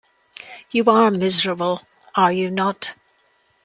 You are miserable, are you not?